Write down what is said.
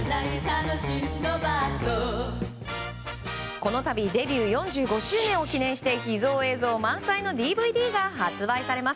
この度デビュー４５周年を記念して秘蔵映像満載のＤＶＤが発売されます。